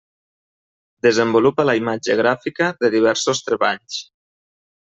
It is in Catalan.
Desenvolupa la imatge gràfica de diversos treballs.